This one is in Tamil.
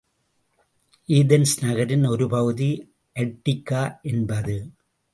ஏதென்ஸ் நகரின் ஒரு பகுதி அட்டிக்கா என்பது.